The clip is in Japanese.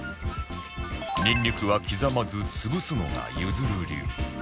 にんにくは刻まず潰すのがゆずる流